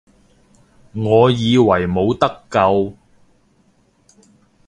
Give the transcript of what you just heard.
我以為冇得救